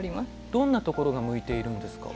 どんなところが向いているんですか？